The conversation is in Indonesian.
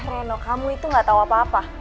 reno kamu itu gak tau apa apa